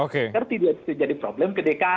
karena tidak bisa jadi problem ke dki